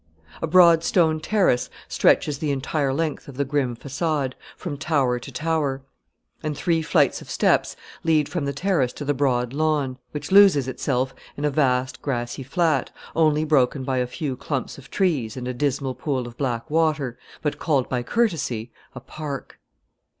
A broad stone terrace stretches the entire length of the grim façade, from tower to tower; and three flights of steps lead from the terrace to the broad lawn, which loses itself in a vast grassy flat, only broken by a few clumps of trees and a dismal pool of black water, but called by courtesy a park.